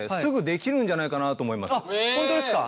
本当ですか。